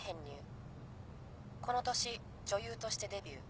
この年女優としてデビュー。